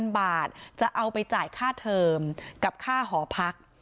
บาทจะเอาไปจ่ายค่าเทอมกับค่าหอพัก